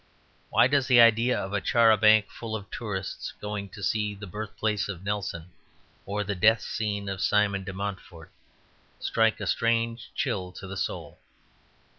Why does the idea of a char a banc full of tourists going to see the birth place of Nelson or the death scene of Simon de Montfort strike a strange chill to the soul?